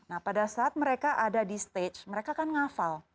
nah pada saat mereka ada di stage mereka kan ngafal